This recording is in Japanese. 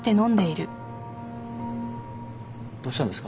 どうしたんですか？